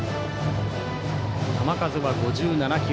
球数は５７球。